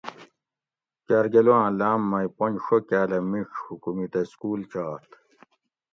کارگلو آں لاۤم مئی پنج ڛو کاۤلہ مِیڄ حکومیتہ سکول چات